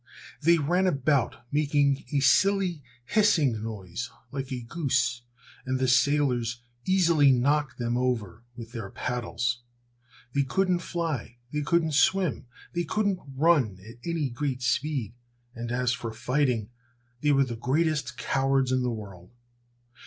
They ran about making a silly, hissing noise like a goose, and the sailors easily knocked them over with their paddles. They couldn't fly, they couldn't swim, they couldn't run at any great speed, and as for fighting, they were the greatest cowards in the world.